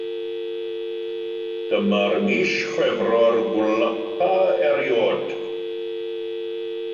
Dyma'r mis Chwefror gwlypa erioed.